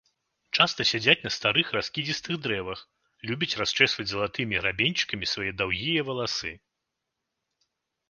Часта сядзяць на старых раскідзістых дрэвах, любяць расчэсваць залатымі грабеньчыкамі свае даўгія валасы.